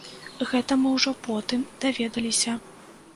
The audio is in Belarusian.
Гэта мы ўжо потым даведаліся.